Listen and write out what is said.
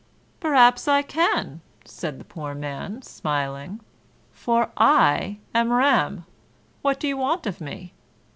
"Perhaps I can," said the poor man, smiling, "for I am Ram! What do you want of me?"